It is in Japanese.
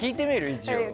一応。